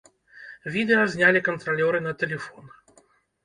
Відэа знялі кантралёры на тэлефон.